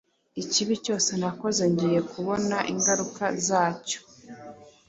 ikibi cyose nakoze ngiye kubona ingaruka zacyo,